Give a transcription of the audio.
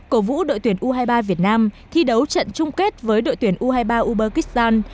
cổ vũ đội tuyển u hai mươi ba việt nam thi đấu trận chung kết với đội tuyển u hai mươi ba ubergyzstan